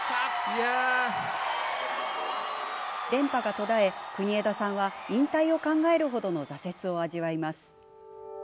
連覇が途絶え、国枝さんは引退を考える程の挫折を味わいます。